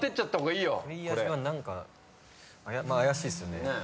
恋味が何か怪しいっすよね。